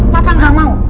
pak pak nggak mau